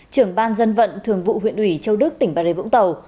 trưởng ban dân vận thường vụ huyện ủy châu đức tỉnh bà rê vũng tàu